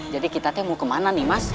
jadi kita mau kemana nih mas